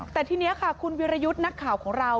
แต่ทีนี้ค่ะคุณวิรยุทธ์นักข่าวของเรา